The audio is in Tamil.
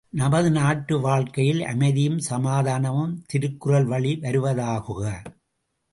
நமது நாட்டு வாழ்க்கையில் அமைதியும் சமாதானமும் திருக்குறள் வழி வருவதாகுக!